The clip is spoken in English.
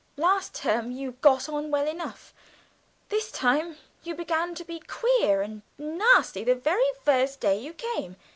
Last term you got on well enough this time you began to be queer and nasty the very first day you came.